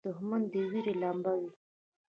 دښمن د وېرې لمبه وي